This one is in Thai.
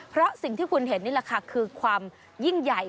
เพราะสิ่งที่คุณเห็นนี่แหละค่ะคือความยิ่งใหญ่